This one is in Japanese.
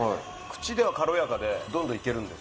口では軽やかでどんどんいけるんです。